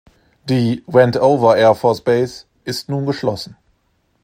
Die "Wendover Air Force Base" ist nun geschlossen.